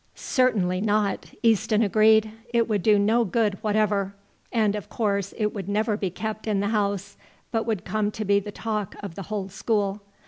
"Certainly not," Easton agreed, "it would do no good whatever; and of course it would never be kept in the house, but would come to be the talk of the whole school.